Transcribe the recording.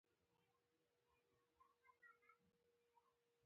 ښوونځی د همدرۍ ځای دی